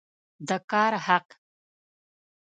د کار حق